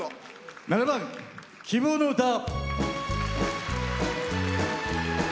７番「希望の詩」。